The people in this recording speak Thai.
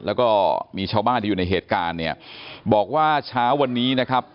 แล้วก็มีชาวบ้านที่อยู่ในเหตุการณ์เนี่ยบอกว่าเช้าวันนี้นะครับ